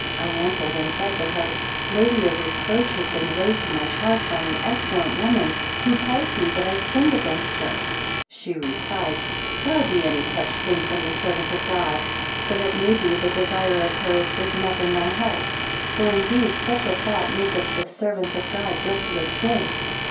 I answered, and said to her, Lady, a reproach has been laid to my charge by an excellent woman, who tells me that I have sinned against her. 19 She replied, Far be any such thing from the servant of God. But it may be the desire of her has risen up in thy heart? For indeed such a thought maketh the servants of God guilty of sin.